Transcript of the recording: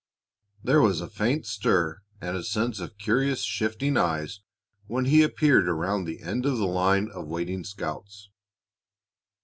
There was a faint stir and a sense of curious, shifting eyes when he appeared around the end of the line of waiting scouts.